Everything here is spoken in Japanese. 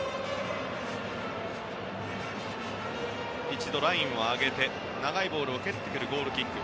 一度、ラインを上げて長いボールを蹴ってきたゴールキック。